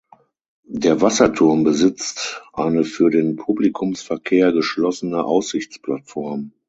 Der Wasserturm besitzt eine für den Publikumsverkehr geschlossene Aussichtsplattform.